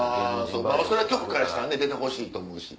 それは局からしたらね出てほしいと思うし。